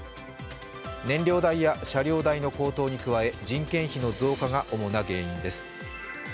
燃料代や車両代の高騰に加え人件費の増加が主な原因です。